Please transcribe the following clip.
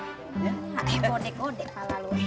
godek godek pak lalu